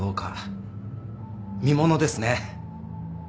見ものですね。